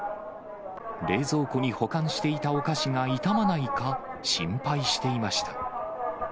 冷蔵庫に保管していたお菓子が傷まないか、心配していました。